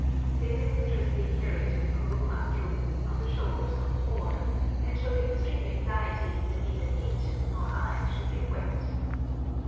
They dexterously carried the kuruma through, on the shoulders of four, and showed extreme anxiety that neither it nor I should get wet.